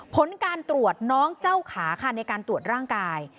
ผลการตรวจน้องเจ้าขาค่ะในการตรวจร่างกาย